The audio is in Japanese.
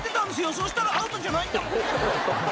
そしたらアウトじゃないんだもん］